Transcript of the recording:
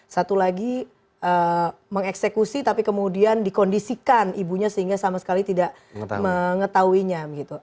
satu lagi mengeksekusi tapi kemudian dikondisikan ibunya sehingga sama sekali tidak mengetahuinya